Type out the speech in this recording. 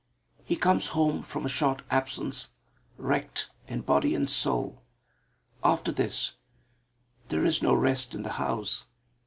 He comes home from a short absence, wrecked in body and soul. After this there is no rest in the house.